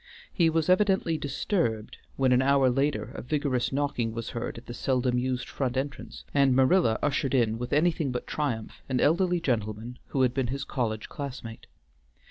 He was evidently disturbed when an hour later a vigorous knocking was heard at the seldom used front entrance, and Marilla ushered in with anything but triumph an elderly gentleman who had been his college classmate.